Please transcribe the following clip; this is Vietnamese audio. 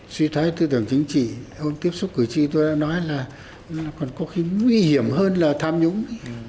suy thoái tư tưởng chính trị hôm tiếp xúc cử tri tôi đã nói là còn có khi nguy hiểm hơn là tham nhũng